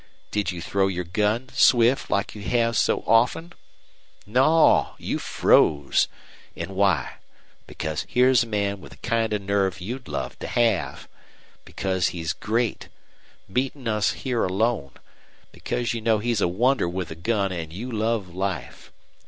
Did you throw your gun, swift, like you have so often? Naw; you froze. An' why? Because here's a man with the kind of nerve you'd love to have. Because he's great meetin' us here alone. Because you know he's a wonder with a gun an' you love life.